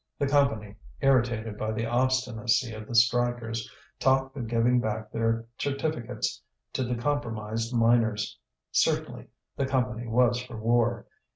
The Company, irritated by the obstinacy of the strikers, talked of giving back their certificates to the compromised miners. Certainly, the Company was for war.